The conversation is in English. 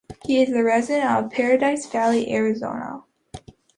He is a resident of Paradise Valley, Arizona.